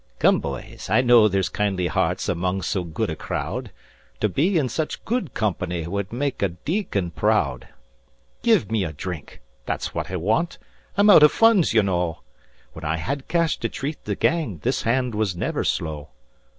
"Come, boys, I know there's kindly hearts among so good a crowd To be in such good company would make a deacon proud. "Give me a drink that's what I want I'm out of funds, you know, When I had cash to treat the gang this hand was never slow.